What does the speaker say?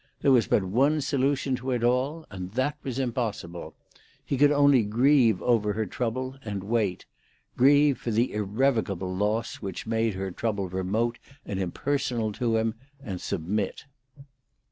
There was but one solution to it all, and that was impossible. He could only grieve over her trouble, and wait; grieve for the irrevocable loss which made her trouble remote and impersonal to him, and submit.